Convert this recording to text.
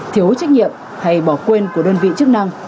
thiếu trách nhiệm hay bỏ quên của đơn vị chức năng